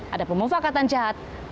ada pemufakatan jahat ada kegiatan